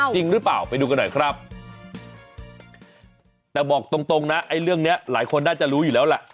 จริงหรือเปล่าไปดูกันหน่อยครับแต่บอกตรงตรงนะไอ้เรื่องเนี้ยหลายคนน่าจะรู้อยู่แล้วแหละ